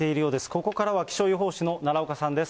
ここからは気象予報士の奈良岡さんです。